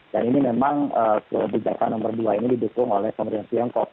dan ini memang kebijakan nomor dua ini didukung oleh pemerintah tiongkok